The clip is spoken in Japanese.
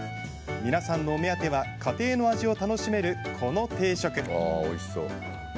皆さんのお目当ては家庭の味を楽しめる、この定食。